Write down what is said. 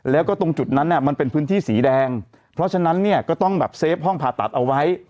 แล้วก็ตรงจุดนั้นเนี่ยมันเป็นพื้นที่สีแดงเพราะฉะนั้นเนี่ยก็ต้องแบบเซฟห้องผ่าตัดเอาไว้